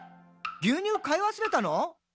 牛乳買い忘れたの？」